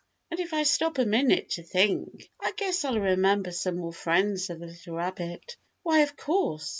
And if I stop a minute to think, I guess I'll remember some more friends of the little rabbit. Why, of course.